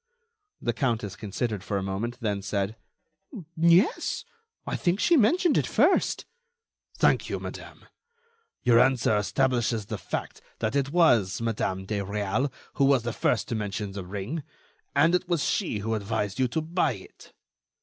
The countess considered for a moment, then said: "Yes, I think she mentioned it first—" "Thank you, madame. Your answer establishes the fact that it was Madame de Réal who was the first to mention the ring, and it was she who advised you to buy it."